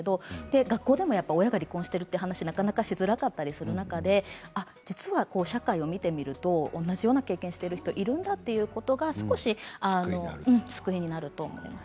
学校でも、なかなか親が離婚していると話しづらかった中で社会を見てみると実は同じような経験をしている人がいるんだということが救いになると思います。